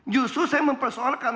justru saya mempersoalkan